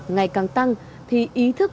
ngày càng tăng thì ý thức